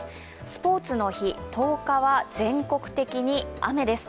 スポーツの日、１０日は全国的に雨です。